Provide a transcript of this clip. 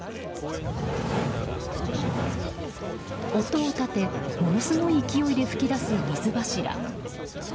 音を立てものすごい勢いで噴き出す水柱。